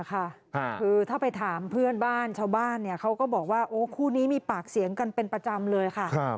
คือถ้าไปถามเพื่อนบ้านชาวบ้านเขาก็บอกว่าโอ้คู่นี้มีปากเสียงกันเป็นประจำเลยค่ะ